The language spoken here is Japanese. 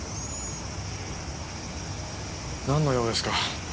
なんの用ですか？